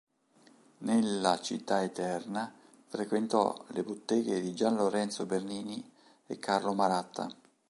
Nella Città Eterna frequentò le botteghe di Gian Lorenzo Bernini e Carlo Maratta.